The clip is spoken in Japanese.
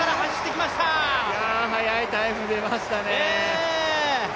いや、速いタイム出ましたね。